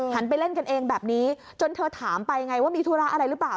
ไปเล่นกันเองแบบนี้จนเธอถามไปไงว่ามีธุระอะไรหรือเปล่า